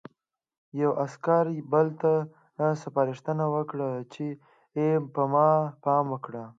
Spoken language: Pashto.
یوه عسکر بل ته سپارښتنه وکړه چې په ما پام وکړي